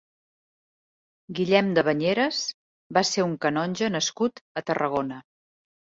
Guillem de Banyeres va ser un canonge nascut a Tarragona.